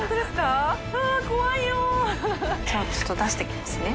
小宮さん）じゃあちょっと出していきますね。